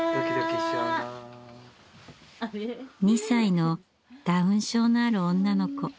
２歳のダウン症のある女の子。